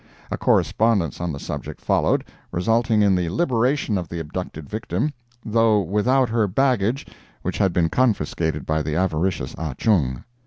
A correspondence on the subject followed, resulting in the liberation of the abducted victim; though without her baggage, which had been confiscated by the avaricious Ah Chung.